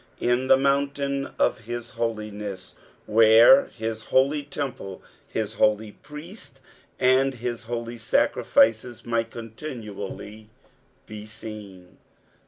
"In the mount/tin of his holiness." Where his holy t«mple, his holy priesta, and bis holy sacrificea might continually be seen.